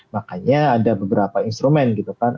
makanya ada beberapa instrumen gitu kan